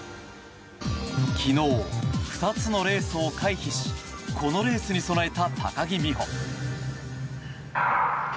昨日、２つのレースを回避しこのレースに備えた高木美帆。